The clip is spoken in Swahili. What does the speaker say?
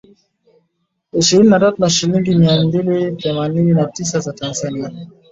ishirini na tatu na shilingi mia mbili themanini na tisa za Tanzania